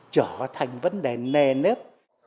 trở thành vấn đề nề nếp